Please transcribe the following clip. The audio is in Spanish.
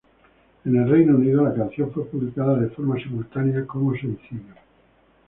En el Reino Unido, la canción fue publicada de forma simultánea como sencillo.